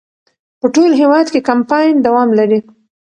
په ټول هېواد کې کمپاین دوام لري.